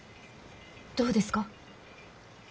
どうですか？